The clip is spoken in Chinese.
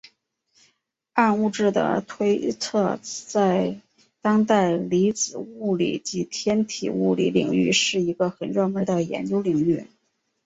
暗物质的探测在当代粒子物理及天体物理领域是一个很热门的研究领域。